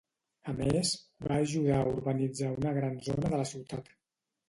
A més, va ajudar a urbanitzar una gran zona de la ciutat.